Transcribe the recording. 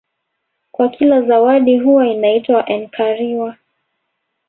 Kwa kila zawadi huwa inaitwa enkariwa